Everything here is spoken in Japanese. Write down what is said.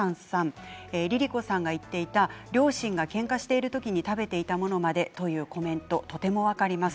ＬｉＬｉＣｏさんが言っていた両親がけんかしてる時に食べていたものもあってというコメント、とても分かります。